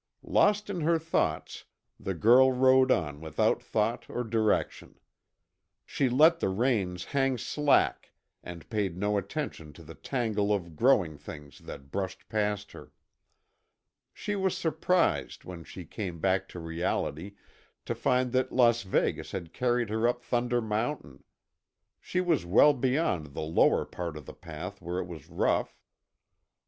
Lost in her thoughts, the girl rode on without thought or direction. She let the reins hang slack and paid no attention to the tangle of growing things that brushed past her. She was surprised, when she came back to reality, to find that Las Vegas had carried her up Thunder Mountain. She was well beyond the lower part of the path where it was rough.